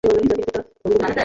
কী হয়েছে, পান্ডা?